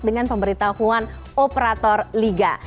dengan pemberitahuan operator liga